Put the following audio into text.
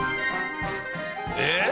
えっ？